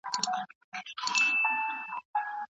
د ماشوم د خوراک پر مهال نېغه ناسته غوره ده.